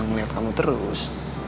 ngeliat kamu terus